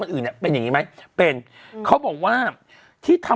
อุ้ยจังหวัด